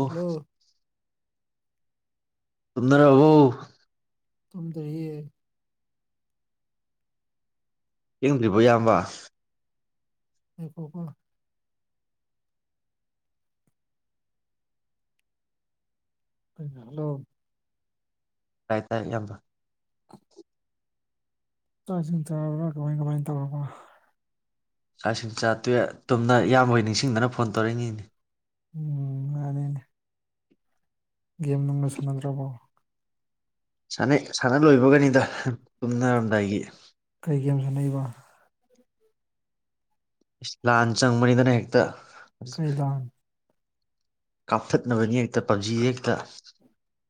hello ꯇꯨꯝꯅꯔꯕꯣ ꯇꯨꯝꯗꯔꯤꯌꯦ ꯊꯦꯡꯗ꯭ꯔꯤꯕꯣ ꯏꯌꯥꯝꯕ ꯑꯩꯀꯣꯀ ꯍꯜꯂꯣ ꯇꯥꯏ ꯇꯥꯏ ꯏꯌꯥꯝꯕ ꯆꯥꯛ ꯏꯁꯤꯡ ꯆꯔꯥꯕꯔꯥ ꯀꯃꯥꯏ ꯀꯃꯥꯏꯅ ꯇꯧꯔꯕ ꯆꯥꯛꯁꯤꯡ ꯆꯥ ꯇꯣꯛꯑꯦ ꯇꯨꯝꯅ ꯏꯌꯥꯝꯕꯣꯏ ꯅꯤꯡꯁꯤꯡꯗꯅ ꯐꯣꯟ ꯇꯧꯔꯛꯏꯤꯅꯤꯅꯦ ꯎꯝ ꯃꯅꯤꯅꯦ ꯒꯦꯝ ꯅꯨꯡꯒꯥ ꯁꯥꯟꯅꯗ꯭ꯔꯕꯣ ꯁꯥꯟꯅꯩ ꯁꯥꯟꯅ ꯂꯣꯏꯕꯒꯅꯤꯗ ꯇꯨꯝꯅꯔꯝꯗꯥꯏꯒꯤ ꯀꯩꯒꯦꯝ ꯁꯥꯟꯅꯏꯕ ꯂꯥꯟ ꯆꯪꯕꯅꯤꯗꯅ ꯍꯦꯛꯇ ꯀꯩ ꯂꯥꯟ ꯀꯥꯞꯊꯠꯅꯕꯅꯤ ꯍꯦꯛꯇ ꯄꯞꯖꯤ ꯌꯦꯛꯇ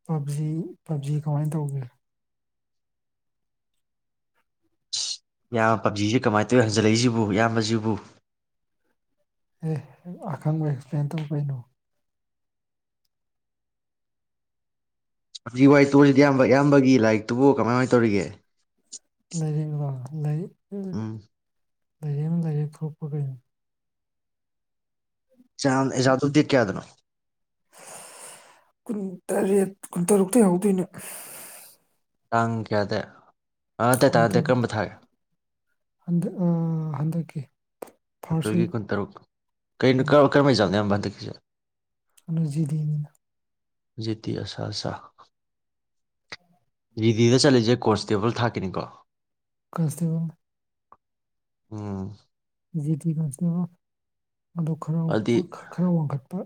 ꯄꯞꯖꯤ ꯄꯞꯖꯤ ꯀꯃꯥꯏꯅ ꯇꯧꯒꯦ ꯄꯕꯖꯤꯁꯦ ꯀꯃꯥꯏꯅ ꯇꯧꯋ ꯍꯟꯖꯤꯜꯂꯛꯏꯁꯤꯕꯨ ꯏꯌꯥꯝꯕꯁꯤꯕꯨ ꯑꯦ ꯑꯈꯪꯕ ꯑꯦꯛꯁꯄ꯭ꯂꯦꯟ ꯇꯧꯕ ꯀꯩꯅꯣ ꯍꯧꯖꯤꯛ ꯋꯥꯏ ꯇꯣꯁꯤꯗꯤ ꯑꯌꯥꯝꯕ ꯑꯌꯥꯝꯕꯒꯤ ꯂꯥꯏꯔꯤꯛꯇꯨꯕꯨ ꯀꯃꯥꯏ ꯀꯥꯏꯅ ꯇꯧꯔꯤꯒꯦ ꯂꯩꯔꯤꯛ ꯔꯣ ꯂꯥꯏꯔꯤꯛ ꯎꯝ ꯂꯩꯥꯏꯔ ꯑꯃ ꯂꯩꯥꯏꯔꯦ ꯊꯣꯄꯀꯩꯅꯣ ꯆꯥꯜ ꯑꯦꯛꯖꯥꯝꯗꯣ ꯗꯦꯠ ꯀꯌꯥꯗꯅꯣ ꯀꯨꯟꯇꯔꯦꯠ ꯀꯨꯟꯇꯔꯨꯛꯇ ꯍꯧꯗꯣꯏꯅꯦ ꯇꯥꯡ ꯀꯌꯥꯗꯩ ꯀꯨꯟꯇꯔꯨꯛꯟꯗꯛ ꯍꯟꯗꯛꯀꯤ ꯐꯥꯔꯁ ꯑꯦꯄ꯭ꯔꯤꯜꯒꯤ ꯋꯤꯛ ꯀꯨꯟꯇꯔꯨꯛ ꯀꯩꯅꯣ ꯀ ꯀꯔꯝꯍꯥꯏ ꯆꯥꯅꯣ [inaudible] ꯑꯖꯤꯗꯅꯤꯅ ꯖꯤꯇꯤ ꯑꯁꯥ ꯆ ꯖꯤꯗꯤꯗ ꯆꯠꯂꯤꯁꯦ ꯀꯣꯟꯁꯇꯦꯕꯜ ꯊꯥꯛꯀꯤꯅꯤꯀꯣ ꯀꯁꯇꯕꯣ ꯎꯝ ꯖꯦꯇꯤ ꯀꯅꯁꯇꯦꯕ ꯑꯗꯨ ꯈꯔ ꯑꯗꯨꯗꯤ ꯈꯔ ꯋꯥꯡꯈꯠꯄ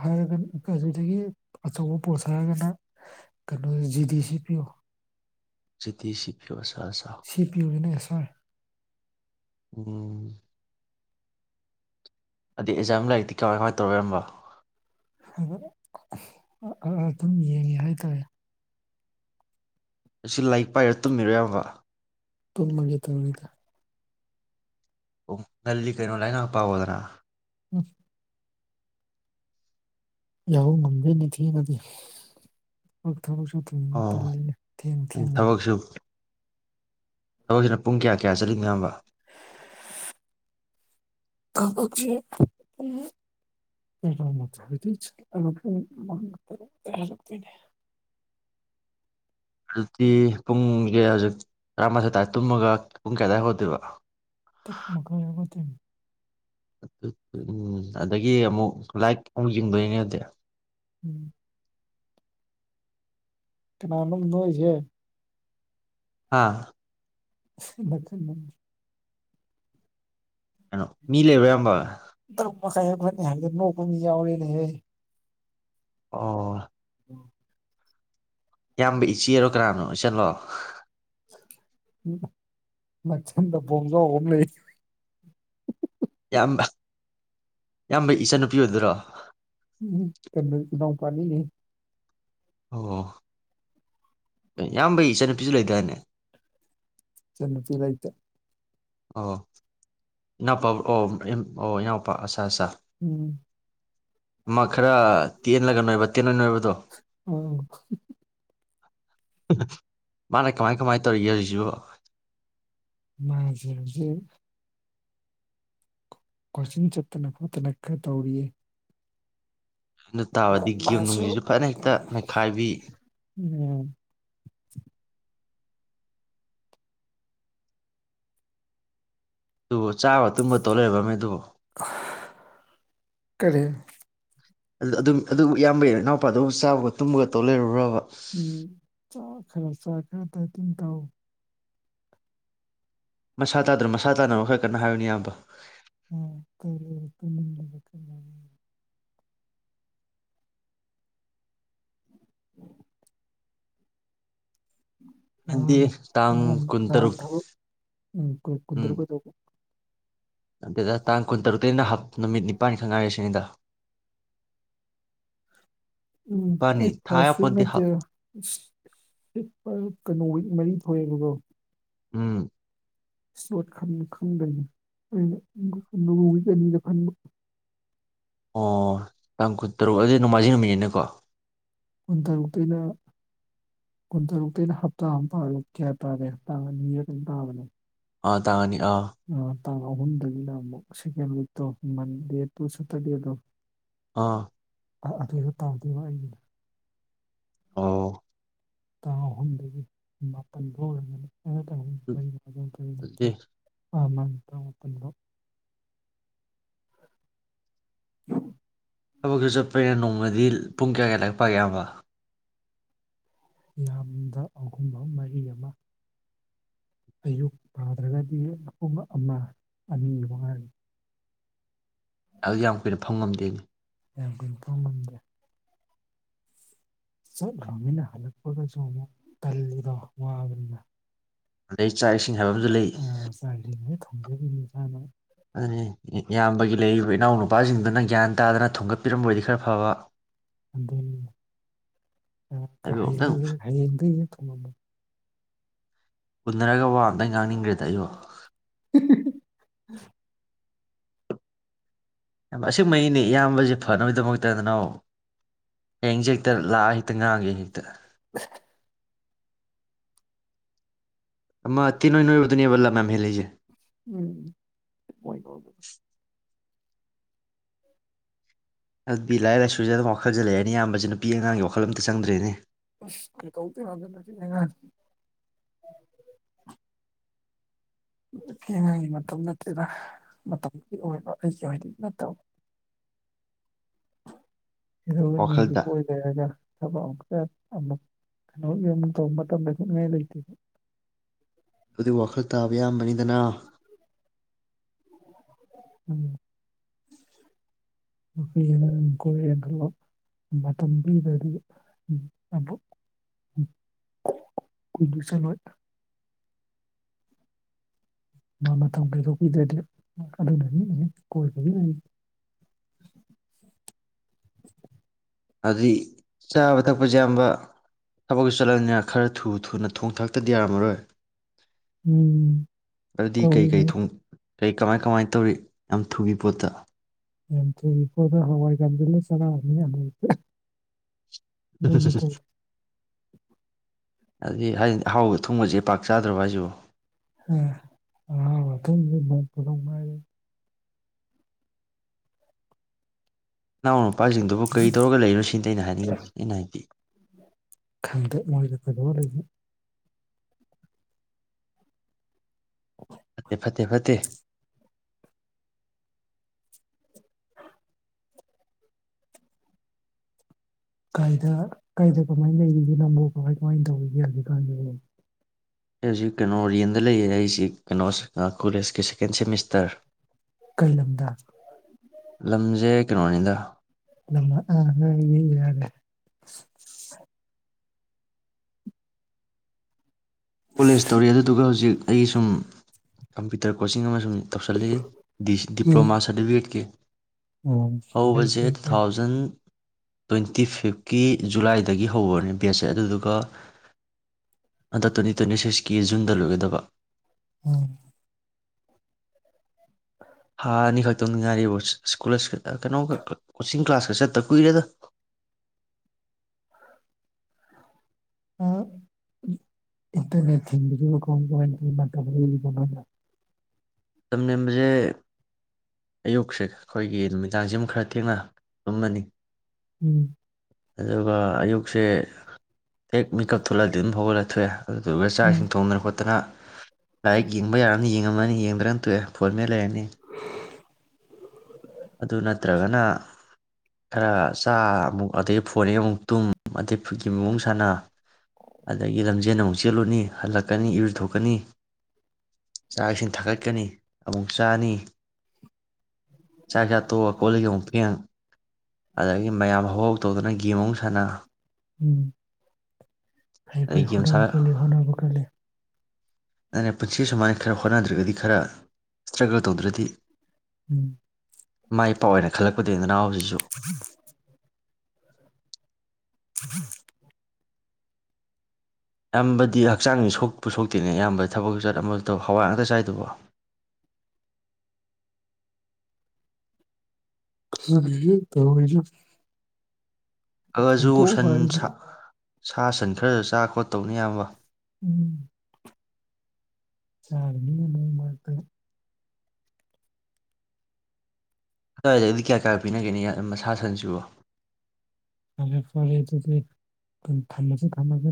ꯍꯥꯏꯔꯒ ꯑꯗꯨꯗꯒꯤ ꯑꯆꯧꯕ ꯄꯣꯠ ꯍꯥꯏꯔꯒꯅ ꯀꯩꯅꯣ ꯖꯤꯗꯤ ꯁꯤ ꯄꯤꯌꯨ ꯖꯤꯇꯤꯁꯤꯄꯤꯌꯣꯁꯤ ꯁꯤ ꯄꯤꯌꯨꯅ ꯑꯦꯁ ꯍꯣꯏ ꯎꯝ ꯑꯗꯩ ꯑꯦꯛꯖꯥꯝ ꯂꯥꯏꯔꯤꯛꯇꯤ ꯀꯃꯥꯏ ꯀꯃꯥꯏ ꯇꯧꯔꯦ ꯏꯌꯥꯝꯕ ꯑꯗꯨꯝ ꯌꯦꯡꯉꯦ ꯍꯥꯏꯇꯥꯔꯦ ꯑꯁꯤ ꯂꯥꯏꯛ ꯄꯥꯏꯔ ꯇꯨꯝꯃꯤꯔꯣ ꯑꯌꯥꯝꯕ ꯇꯨꯃꯥꯒꯦ ꯇꯧꯔꯤꯗ ꯉꯜꯂꯤ ꯀꯩꯅꯣ ꯂꯥꯔꯤꯛ ꯉꯍꯥꯛ ꯄꯈꯣꯗꯅ ꯎꯝ ꯌꯥꯍꯧ ꯉꯝꯗꯤ ꯅꯤꯡꯊꯤꯅꯗꯤ ꯊꯕꯛ ꯁꯊꯨꯅ ꯑꯣ ꯄꯜꯂꯤꯅ ꯊꯦꯡ ꯊꯦꯡꯒꯜꯂꯤ ꯊꯗꯛꯁꯤꯅ ꯄꯨꯡ ꯀꯌꯥ ꯀꯌꯥ ꯆꯠꯂꯤ ꯃꯌꯥꯝꯕ ꯊꯕꯛꯁꯦ ꯄꯨꯡ ꯅꯤꯄꯥꯜ ꯃꯈꯥꯏꯗꯩ ꯆꯇꯂꯒ ꯄꯨꯡ ꯃꯉꯥ ꯇꯥꯔꯨꯛ ꯇ ꯍꯥꯜꯂꯛꯇꯣꯏꯅꯦ ꯑꯗꯨꯗꯤ ꯄꯨꯡꯁꯦ ꯍꯧꯖꯤꯛ ꯇꯔꯥꯃꯊꯣꯏ ꯇꯥꯔ ꯇꯨꯃꯂꯒ ꯨꯄꯨꯡ ꯀꯌꯥꯗꯥꯏ ꯍꯧꯒꯠꯇꯣꯏꯕ ꯇꯔꯨꯛ ꯃꯈꯥꯏ ꯍꯧꯒꯠꯇꯣꯏꯅꯦ ꯎꯝ ꯑꯗꯒꯤ ꯑꯃꯨꯛ ꯂꯥꯏꯛ ꯑꯃꯨꯛ ꯌꯦꯡꯗꯣꯏꯅꯦ ꯑꯗꯨꯗꯤ ꯎꯝ ꯀꯅꯥꯅꯣꯝ ꯅꯣꯛ ꯏ ꯖꯦ ꯍꯥꯥ [unintelligible] ꯀꯩꯅꯣ ꯃꯤ ꯂꯩꯕ꯭ꯔ ꯌꯥꯝꯌꯥꯝꯕ ꯇꯔꯨꯛ ꯃꯈꯥꯏ ꯍ ꯐꯅꯤ ꯍꯪꯦ ꯅꯣꯛꯄ ꯃꯤ ꯌꯥꯎꯔꯦꯅꯦꯍꯦ ꯑꯣ ꯎꯝ ꯏꯌꯥꯝꯕ ꯏꯆꯦꯔꯣ ꯀꯅꯥꯅꯣ ꯏꯆꯟꯂꯣ ꯎ ꯃꯆꯟꯗ ꯕꯣꯝꯖꯥꯎ ꯑꯝ ꯂꯩ ꯏꯌꯥꯝꯕ ꯏꯌꯥꯝꯕ ꯏꯆꯟꯅꯨꯄꯤ ꯑꯣꯏꯗꯣꯏꯔꯣ ꯎꯝ ꯀꯩꯅꯣ ꯏꯅꯥꯎ ꯄꯅꯤꯅꯤ ꯑꯣ ꯌꯥꯝꯕꯩ ꯏꯆꯟꯅꯨꯄꯤꯁꯨ ꯂꯩꯗꯥꯏꯅꯦ ꯏꯆꯟ ꯅꯨꯄꯤ ꯂꯩꯇꯦ ꯑꯣ ꯏꯅꯥꯎꯄꯥ ꯑꯣ ꯑꯣ ꯏꯅꯥꯎꯄꯥ ꯑꯁ ꯑꯆꯥ ꯎꯝ ꯃꯥ ꯈꯔ ꯇꯦꯜꯂꯒ ꯇꯦꯟꯅꯣꯏ ꯅꯣꯏꯕꯗꯣ ꯑꯣ ꯃꯥꯅ ꯀꯃꯥꯏ ꯀꯃꯥꯏ ꯇꯧꯔꯤꯒꯦ ꯍꯧꯖꯤꯛꯁꯤꯕꯨ ꯃꯥꯁꯦ ꯍꯨꯖꯤꯛ ꯀꯣꯆꯤꯡ ꯆꯠꯇꯅ ꯈꯣꯠꯇꯅ ꯈꯔ ꯇꯧꯔꯤꯌꯦ ꯑꯗꯨ ꯇꯥꯕꯗꯤ ꯒꯦꯝ ꯃꯥꯁꯨ ꯅꯨꯡꯁꯤꯁꯨ ꯐꯅ ꯍꯦꯛꯇ ꯅꯩꯈꯥꯏꯕꯤ ꯎꯝ ꯑꯗꯨꯕꯨ ꯆꯥꯕ ꯇꯨꯝꯕ ꯇꯧ ꯂꯩꯔꯕꯃꯦ ꯑꯗꯨꯕꯨ ꯑꯍ ꯀꯔꯤ ꯑꯗꯨꯝ ꯑꯗꯨꯝ ꯏꯌꯥꯝꯕꯩ ꯏꯅꯥꯎꯄꯥꯗꯨꯕꯨ ꯆꯥꯕꯒ ꯇꯨꯝꯕꯒ ꯇꯧ ꯂꯩꯔꯕꯕ ꯎꯝ ꯆꯥ ꯈꯔ ꯆꯥꯏ ꯈ ꯗꯥꯏꯇꯤꯡ ꯇꯧ ꯃꯁꯥ ꯇꯥꯗ꯭ꯔꯣ ꯃꯁꯥ ꯇꯥꯅꯕ ꯈꯔ ꯀꯟꯅ ꯍꯥꯏꯌꯨꯅꯦ ꯏꯌꯥꯝꯕ ꯑ ꯀꯔ [unintelligible] ꯍꯥꯏꯗꯤ ꯅꯍꯥꯟ ꯇꯥꯡ ꯅꯉꯣꯟ ꯗꯥꯟ ꯀꯨꯟꯇꯔꯨꯛ ꯊꯧ ꯀꯨꯟꯇꯔꯨꯛ ꯀꯩꯗꯧꯕ ꯌꯥꯝꯗꯦꯗ ꯇꯥꯡ ꯀꯨꯟꯇꯔꯨꯛꯇꯩꯅ ꯍꯥꯞ ꯅꯨꯃꯤꯠ ꯅꯤꯄꯥꯥꯟꯅꯤ ꯈꯛꯇꯉꯥꯏꯔꯤꯁꯤꯅꯤꯗ ꯎꯝ ꯅꯤꯄꯥꯜꯅꯤ ꯑꯩ ꯊꯥ ꯐꯔꯁꯋꯤꯛ ꯌꯥꯄꯣꯟꯇꯦ ꯍꯞ ꯅꯠꯇꯔ ꯀꯩꯅꯣ ꯋꯤꯛ ꯃꯔꯤ ꯊꯣꯛꯑꯦꯕꯀꯣ ꯎꯝ ꯁꯂ꯭ꯣꯠ ꯈꯟ ꯈꯪꯗꯒꯅꯤ ꯑꯩꯅ ꯅꯣꯡ ꯅꯤꯅꯤꯗꯪ ꯈꯟꯕ ꯑꯣ ꯇꯥꯡ ꯀꯨꯟꯇꯔꯨꯛ ꯍꯥꯏꯖꯦ ꯅꯣꯡꯃꯥꯏꯖꯤꯡ ꯅꯨꯃꯤꯠꯅꯤꯅꯦꯀꯣ ꯀꯨꯟꯇꯔꯨꯛꯇꯩꯅ ꯀꯨꯟꯇꯔꯨꯛꯇꯩꯅ ꯍꯞꯇꯥ ꯑꯃ ꯄꯥꯔ ꯀꯌꯥ ꯇꯥꯔꯦ ꯇꯥꯡ ꯑꯅꯤꯔ ꯀꯩꯅꯣꯝ ꯇꯥꯕꯅꯦ ꯑ ꯇꯥꯅꯤ ꯑꯥ ꯇꯥꯡ ꯑꯍꯨꯝꯗꯒꯤꯅ ꯑꯃꯨꯛ ꯁꯤꯀꯦꯟ ꯋꯤꯛꯇꯣ ꯃꯟꯗꯦ ꯇꯨꯔ ꯆꯠꯇꯣꯏꯅꯦꯗꯣ ꯑꯥ ꯑ ꯑꯗꯨꯗ ꯇꯥꯗꯣꯏꯕ ꯑꯩꯒꯤꯅ ꯑꯣ ꯇꯥꯡ ꯑꯍꯨꯝꯗꯒꯤ ꯃꯥꯄꯜ ꯐꯥꯎ ꯂꯩꯒꯅꯤ ꯑꯗꯨꯗꯤ [unintelligible] ꯑ ꯃꯠꯇ ꯃꯠꯇꯝꯔꯣ [unintelligible] ꯊꯕꯛꯁꯨ ꯆꯠꯄꯅ ꯅꯣꯡꯃꯗꯤ ꯄꯨꯡ ꯀꯌꯥ ꯀꯌꯥ ꯂꯥꯏꯔꯤꯛ ꯄꯥꯛꯒꯦ ꯑꯌꯥꯝꯕ ꯌꯥꯝꯗ ꯑꯍꯨꯝ ꯑꯍꯨꯝ ꯃꯔꯤ ꯑꯃ ꯑꯌꯨꯛ ꯄꯥꯗ꯭ꯔꯒꯗꯤ ꯄꯨꯡ ꯑꯃ ꯑꯅꯤ ꯃꯉꯥꯏꯔꯦ ꯑꯗꯨ ꯌꯥꯝ ꯀꯨꯏꯅ ꯐꯝ ꯉꯝꯗꯦꯅꯤ ꯌꯥꯝ ꯀꯨꯏꯅ ꯄꯝ ꯉꯝꯗꯦ ꯆꯠ ꯈꯔꯃꯤꯅ ꯍꯜꯛꯄꯒꯁꯨ ꯑꯃꯨꯛ ꯇꯜꯂꯦꯗꯣ ꯋꯥꯕꯅꯤꯅ [unintelligible] ꯆꯥꯛ ꯏꯁꯤꯡ ꯍꯥꯏꯕ ꯑꯃꯁꯨ ꯂꯩ ꯈꯪꯖꯕꯤ ꯃꯁꯥꯅ ꯑꯗꯨꯅꯤ ꯏꯌꯥꯝꯕꯒꯤ ꯂꯩꯔꯤꯕ ꯏꯅꯥꯎ ꯅꯨꯄꯥꯁꯤꯡꯗꯨꯅ ꯒ꯭ꯌꯥꯟ ꯇꯥꯗꯅ ꯊꯣꯡꯒꯠꯄꯤꯔꯝꯕꯗꯤ ꯈꯔ ꯐꯕ ꯑꯗꯨ ꯅꯤ ꯑꯩꯕꯨ ꯑꯝꯇꯪ ꯍꯌꯦꯡꯒ [unintelligible] ꯎꯅꯔꯒ ꯋꯥ ꯑꯝꯇꯪ ꯉꯥꯡꯅꯤꯡꯈ꯭ꯔꯦꯗ ꯑꯩꯕꯣ [unintelligible] ꯑꯆꯨꯝ ꯃꯩꯅꯦ ꯏꯌꯥꯝꯕꯁꯤ ꯐꯅꯕꯒꯤꯗꯃꯛꯇꯗꯅ ꯍꯌꯦꯡꯁꯦ ꯍꯦꯛꯇ ꯂꯥꯛꯑ ꯍꯦꯛꯇ ꯉꯥꯡꯒꯦ ꯍꯦꯛꯇ [inaudible] ꯑꯃ ꯇꯤꯅꯣꯏ ꯅꯣꯏꯕꯗꯨꯅꯤꯕꯂ ꯂꯝ ꯌꯥꯝ ꯍꯦꯟꯂꯤꯖꯦ ꯎꯝ ꯃꯣꯏꯗꯣ ꯑꯗꯨꯗꯤ ꯂꯥꯏꯔꯤꯛ ꯂꯥꯏꯁꯨꯁꯗ ꯑꯗꯨꯝ ꯋꯥꯈꯜꯁꯦ ꯂꯩꯔꯅꯤ ꯏꯌꯥꯝꯕꯁꯤ ꯅꯨꯄꯤ ꯑꯉꯥꯡꯒꯤ ꯋꯥꯈꯜ ꯑꯝꯇ ꯆꯪꯗ꯭ꯔꯦꯅꯦ ꯑꯁ [unintelligible] ꯅꯨꯄꯤ ꯑꯉꯥꯡꯒꯤ ꯃꯇꯝ ꯅꯠꯇꯦꯗ ꯃꯇꯝꯕꯨꯗꯤ ꯑꯣꯏꯕ ꯑꯩꯒꯤ ꯑꯣꯏꯅꯗꯤ ꯅꯠꯇꯕ [unintelligible] ꯋꯥꯈꯜꯗ ꯀꯣꯏꯗꯧ ꯍꯥꯏꯗ ꯊꯕꯛ ꯑꯃꯨꯛꯆꯇ ꯑꯃꯨꯛ ꯀꯩꯅꯣ ꯌꯨꯝ ꯇꯧꯕ ꯃꯇꯝꯗ ꯇꯠꯅꯤꯡꯉꯥꯏ ꯂꯩꯇꯦ ꯑꯗꯨꯗꯤ ꯋꯥꯈꯜ ꯇꯥꯕ ꯏꯌꯥꯝꯕꯅꯤꯗꯅ ꯎꯝ ꯅꯨꯄꯤ ꯑꯉꯥꯡ ꯀꯣꯏꯔꯦ ꯈꯜꯂꯣ ꯃꯇꯝ ꯄꯤꯗ꯭ꯔꯗꯤ ꯑꯃꯨꯛ ꯀꯨꯏꯅ ꯆꯠꯂꯣꯏ ꯃꯥ ꯃꯇꯝ ꯀꯥꯏꯗꯣꯛꯄꯤꯗ꯭ꯔꯗꯤ ꯑꯗꯨꯅ ꯀꯣꯏ ꯑꯗꯨꯗꯤ ꯆꯥꯕ ꯊꯛꯄꯁꯦ ꯏꯌꯥꯝꯕ ꯊꯕꯛꯁꯨ ꯆꯠꯂꯅꯤꯅ ꯈꯔ ꯊꯨ ꯊꯨꯅ ꯊꯣꯡ ꯊꯥꯛꯇ꯭ꯔꯗꯤ ꯌꯥꯔꯝꯃꯔꯣꯏ ꯎꯝ ꯑꯗꯨꯗꯤ ꯀꯩ ꯀꯩ ꯇꯧꯔꯤꯅꯦ ꯊꯣꯡ ꯀꯩ ꯀꯃꯥꯏ ꯀꯃꯥꯏ ꯇꯧꯔꯤ ꯌꯥꯝ ꯊꯨꯕꯤ ꯄꯣꯠꯇ ꯌꯥꯝ ꯊꯨꯕꯤ ꯄꯣꯠꯇ ꯍꯋꯥꯏ ꯀꯥꯝꯁꯟꯂꯒ [unintelligible] [unintelligible] ꯑꯗꯨꯗꯤ ꯍꯥꯏꯗꯤ ꯑꯍꯥꯎꯕ ꯊꯣꯡꯕꯁꯦ ꯄꯥꯛ ꯆꯥꯗ꯭ꯔꯕ ꯍꯥꯏꯁꯤꯕ‌ꯣ ꯑ ꯑ ꯑꯗꯨ ꯃꯣꯄꯗꯣꯡꯉ ꯑ ꯏꯄꯥꯁꯤꯡꯗꯨꯕꯨ ꯀꯔꯤ ꯇꯧꯔꯒ ꯂꯩꯅꯣ ꯁꯤꯗ ꯑꯩꯅ ꯍꯥꯏꯅꯤꯡꯉ ꯑꯩꯅ ꯍꯥꯏꯕꯤꯨ ꯈꯪꯗꯦ ꯃꯣꯏꯗ ꯀꯩꯗꯧꯔ ꯂꯩꯕꯅꯣ ꯐꯠꯇꯦ ꯐꯠꯇꯦ ꯐꯠꯇꯦ ꯀꯥꯏꯗ ꯀꯥꯏꯗ ꯀꯃꯥꯏꯅ ꯂꯩꯔꯤꯒꯦ ꯅꯕꯨ ꯀꯃꯥꯏ ꯀꯃꯥꯏꯅ ꯇꯧꯔꯤꯒꯦ ꯍꯧꯖꯤꯛꯀꯥꯟꯗ ꯑꯩ ꯍꯧꯖꯤꯛ ꯀꯩꯅꯣꯔꯤꯌꯟꯗ ꯂꯩꯌꯦ ꯑꯩꯁꯤ ꯀꯩꯅꯣ ꯀꯣꯂꯦꯖꯀꯤ ꯁꯦꯀꯦꯟ ꯁꯦꯃꯤꯁꯇꯔ ꯀꯩ ꯂꯝꯗ ꯂꯝꯁꯦ ꯀꯩꯅꯣꯅꯤꯗ ꯂꯝ ꯑꯥ ꯉ ꯌꯦ ꯌꯥꯔꯦ [inaudible] ꯀꯣꯂꯦꯖ ꯇꯧꯔꯤ ꯑꯗꯨꯗꯨꯒ ꯍꯧꯖꯤꯛ ꯑꯩ ꯁꯨꯝ ꯀꯝꯄ꯭ꯌꯨꯇꯔ ꯀꯣꯆꯤꯡ ꯑꯃꯁꯨꯡ ꯇꯧꯁꯜꯂꯛꯏ ꯗꯤꯄ꯭ꯂꯣꯃꯥ ꯁꯥꯔꯇꯤꯐꯤꯀꯦꯠꯀꯤ ꯑꯣ ꯐꯩ ꯍꯧꯕꯖꯦ ꯐꯩ ꯇꯨ ꯐꯩ ꯊꯥꯎꯖꯟ ꯇꯣꯏꯟ ꯇꯤ ꯐꯤꯐꯀꯤ ꯖꯨꯂꯥꯏꯗꯒꯤ ꯍꯧꯕꯅꯦ ꯕꯦꯠꯁꯁꯦ ꯑꯗꯨꯗꯨꯒ ꯇ꯭ꯋꯦꯟꯇꯤ ꯁꯤꯛꯁꯀꯤ ꯖꯨꯟꯗ ꯂꯣꯏꯒꯗꯕ ꯑꯣ ꯊꯥ ꯑꯅꯤ ꯈꯛꯇꯪꯗꯤ ꯉꯥꯏꯔꯤꯕ ꯁ꯭ꯀꯣꯂꯔꯁꯤꯐ ꯀꯩꯅꯣꯒ ꯀꯣꯆꯤꯡ ꯀ꯭ꯂꯥꯁꯀ ꯆꯠꯇ ꯀꯨꯏꯔꯦꯗ ꯑ ꯏꯟꯇꯔꯅꯦꯠ ꯊꯤꯡꯒꯤꯕꯗꯨꯕꯨ ꯀꯃꯥꯏ ꯀꯃꯥꯏ ꯃꯇꯝ ꯂꯦꯟꯂꯤꯕ ꯅꯣꯏꯅ ꯃꯇꯝ ꯂꯦꯟꯕꯖꯦ ꯑꯌꯨꯛꯁꯦ ꯑꯈꯣꯏꯒꯤ ꯅꯨꯃꯤꯗꯥꯡꯁꯤ ꯑꯃ ꯈꯔ ꯊꯦꯡꯅ ꯇꯨꯝꯃꯅꯤ ꯎꯝ ꯑꯗꯨꯒ ꯑꯌꯨꯛꯁꯦ ꯍꯦꯛ ꯃꯤꯀꯞ ꯊꯣꯛꯂꯛꯑꯗꯤ ꯑꯗꯨꯝ ꯍꯧꯒꯠꯂꯛ ꯊꯣꯛꯑꯦ ꯑꯗꯨꯗꯨꯒ ꯆꯥꯛ ꯎꯝ ꯏꯁꯤꯡ ꯊꯣꯡꯗꯅ ꯈꯣꯠꯇꯅ ꯥꯂꯥꯏꯔꯤꯛ ꯌꯦꯡꯕ ꯌꯥꯔꯒꯅ ꯌꯦꯡꯉꯝꯃꯅꯤ ꯌꯦꯡꯗ꯭ꯔꯅ ꯇꯣꯛꯑꯦ ꯐꯣꯟ ꯃꯦꯠ ꯂꯩꯔꯅꯤ ꯑꯗꯨ ꯅꯠꯇ꯭ꯔꯒꯅ ꯈꯔ ꯆꯥ ꯑꯃꯨꯛ ꯑꯗꯩ ꯐ ꯑꯗꯩ ꯑꯃꯨꯛ ꯇꯨꯝ ꯏꯐꯨꯠꯀꯤ ꯃꯋꯣꯡ ꯁꯥꯟꯅ ꯑꯗꯒꯤ ꯂꯝꯖꯦꯟ ꯑꯃꯨꯛ ꯆꯦꯜꯂꯨꯅꯤ ꯍꯜꯂꯛꯀꯅꯤ ꯏꯔꯨ ꯊꯣꯛꯣꯛꯀꯅꯤ ꯆꯥꯛ ꯏꯁꯤꯡ ꯊꯥꯒꯠꯀꯅꯤ ꯑꯃꯨꯛ ꯆꯥꯅꯤ ꯆꯥꯛ ꯆꯥ ꯇꯣꯛꯑ ꯀꯣꯜꯂꯤꯛ ꯑꯃꯨꯛ ꯐꯦꯡ ꯑꯗꯒꯤ ꯃꯌꯥꯝ ꯍꯧꯍꯥꯎ ꯇꯧꯗꯨꯅ ꯒꯦꯝ ꯑꯃꯨ ꯁꯥꯟꯅ ꯎꯝ ꯐꯩ ꯑꯗꯩ ꯐꯩ ꯒꯦꯝ ꯁꯥ ꯍꯣꯠꯅꯕ ꯀꯜꯂꯤ ꯍꯣꯠꯅꯕ ꯀꯜꯂꯤ ꯑꯩꯅ ꯄꯨꯟꯁꯤ ꯁꯨꯃꯥꯏꯅ ꯈꯔ ꯍꯣꯠꯅꯗ꯭ꯔꯒꯗꯤ ꯈꯔ ꯏꯁꯇ꯭ꯔꯒꯜ ꯇꯧꯗ꯭ꯔꯗꯤ ꯎꯝ ꯃꯥꯏ ꯄꯥꯛ ꯑꯣꯏꯅ ꯈꯜꯂꯛ [unintelligible] [inaudible] [inaudible] ꯏꯌꯥꯝꯕꯗꯤ ꯍꯛꯆꯥꯡꯗꯤ ꯁꯣꯛꯄ ꯁꯣꯛꯇꯦꯅꯦ ꯏꯌꯥꯝꯕ ꯊꯕꯛꯁꯨ ꯆꯠ ꯑꯃꯖꯨ ꯆꯧ ꯍꯋꯥꯏ ꯉꯥꯛꯇꯥ ꯆꯥꯏꯗꯨꯕ‌ꯣ ꯈꯪꯗꯔꯦꯗ ꯇꯧꯔꯤꯖꯦ [unintelligible] ꯍꯥꯏꯁꯤꯅꯤ ꯁꯥ ꯁꯟ ꯈꯔꯁꯨ ꯆꯥ ꯈꯣꯠꯇꯧꯅꯦ ꯏꯌꯥꯝꯕ ꯎꯝ ꯆꯥꯔꯅꯤꯅ ꯅꯣꯡ ꯃꯔꯛꯇ ꯑꯗꯨꯋꯥꯏꯗꯒꯥꯗꯤ ꯀꯌꯥ ꯀꯌꯥ ꯄꯤꯅꯒꯦꯅ ꯁꯥ ꯁꯟꯁꯤꯕꯣ ꯐꯔꯦ ꯐꯔꯦ ꯑꯗꯨꯗꯤ ꯊꯝꯃꯒꯦ ꯊꯝꯃꯒꯦ